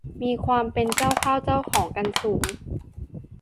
มีความเป็นเจ้าเข้าเจ้าของกันสูง